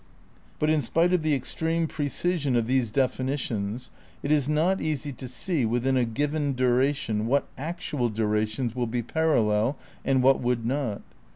But in spite of the extreme precision of these defini tions it is not easy to see within a given duration what actual durations would be parallel and what would not.